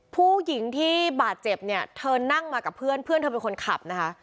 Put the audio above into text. ผู้หญิงที่บาดเจ็บเนี่ยเธอนั่งมากับเพื่อนเพื่อนเธอเป็นคนขับนะคะ